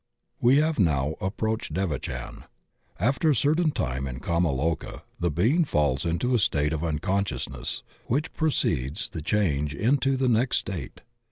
We have now approached devachan. After a cer tain time in kama loka the being falls into a state of unconsciousness which precedes the change into the next state.